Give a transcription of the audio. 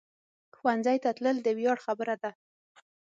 ښوونځی ته تلل د ویاړ خبره ده